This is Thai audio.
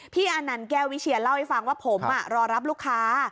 อานันต์แก้ววิเชียเล่าให้ฟังว่าผมรอรับลูกค้า